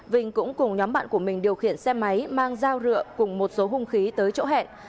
vinh cũng cùng nhóm bạn của mình điều khiển xe máy mang dao rượu cùng một số hung khí tới chỗ hẹn